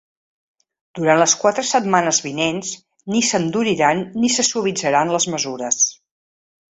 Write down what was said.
Durant les quatre setmanes vinents ni s’enduriran ni se suavitzaran les mesures.